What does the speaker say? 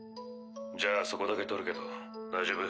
じゃあそこだけ録るけど大丈夫？